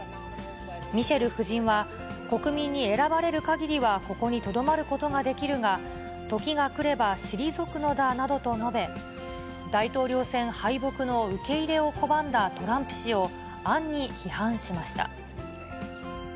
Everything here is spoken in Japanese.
ミシェル夫人は、国民に選ばれるかぎりはここにとどまることができるが、時が来れば退くのだなどと述べ、大統領選敗北の受け入れを拒んだトランプ氏を、暗に批判しました。